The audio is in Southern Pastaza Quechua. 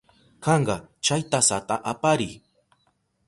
Kanka, chay tasata apiriy.